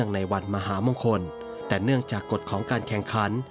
ในวันมหามงคลแต่เนื่องจากกฎของการแข่งขัน